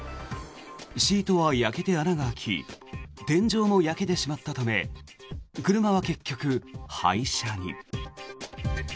シートは焼けて穴が開き天井も焼けてしまったため車は結局、廃車に。